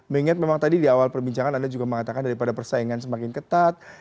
mengingat memang tadi di awal perbincangan anda juga mengatakan daripada persaingan semakin ketat